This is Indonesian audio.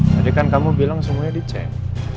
tadi kan kamu bilang semuanya dicek